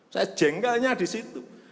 saya jengkalnya di situ